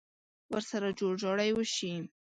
ورسره جوړ جاړی وشي.